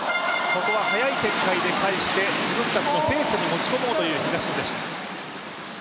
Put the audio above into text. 速い展開で返して自分たちのペースに持ち込もうという東野でした。